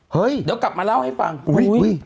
เฮ้ยเดี๋ยวกลับมาเล่าให้ฟังอุ้ย